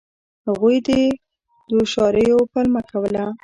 هغوی د دوشواریو پلمه کوله.